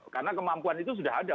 karena kemampuan itu sudah ada